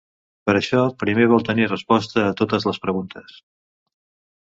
Per això primer vol tenir resposta a totes les preguntes.